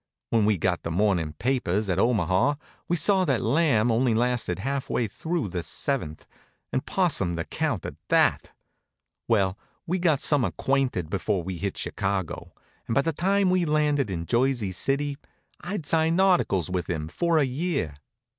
When we got the morning papers at Omaha we saw that the Lamb only lasted half way through the seventh, and 'possumed the count at that. Well, we got some acquainted before we hit Chicago, and by the time we'd landed in Jersey City I'd signed articles with him for a year.